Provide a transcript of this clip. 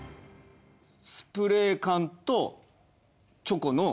スプレー缶とチョコの。